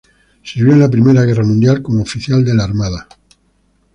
Sirvió en la Primera Guerra Mundial como oficial en la armada.